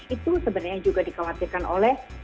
itu sebenarnya juga dikhawatirkan oleh